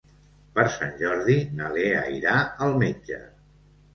Per Sant Jordi na Lea irà al metge.